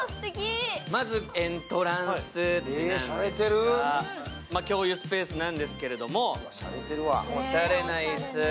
まずエントランスですが共有スペースなんですけれどもおしゃれな椅子。